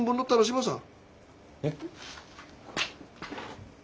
えっ。